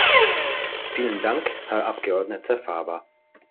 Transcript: Vielen Dank, Herr Abgeordneter Fava.